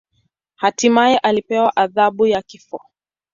Hatimaye alipewa adhabu ya kifo.